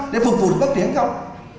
để phục vụ đối tượng không